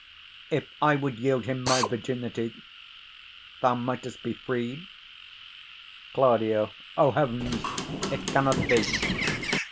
If I would yield him my virginity, 95 Thou mightst be freed. Claud. O heavens! it cannot be.